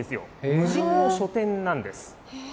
無人の書店なんです。